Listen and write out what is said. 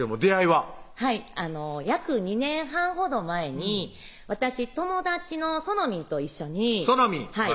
はい約２年半ほど前に私友達のそのみんと一緒にそのみん